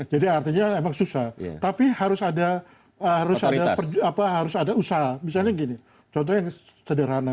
jadi artinya emang susah tapi harus ada usaha misalnya gini contohnya sederhana